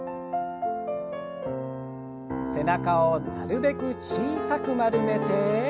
背中をなるべく小さく丸めて。